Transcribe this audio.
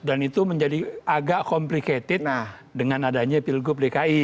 itu menjadi agak complicated dengan adanya pilgub dki